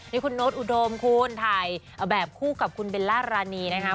นี่คุณโน๊ตอุดมคุณถ่ายแบบคู่กับคุณเบลล่ารานีนะคะ